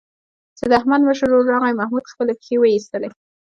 چې د احمد مشر ورور راغی، محمود خپلې پښې وایستلې.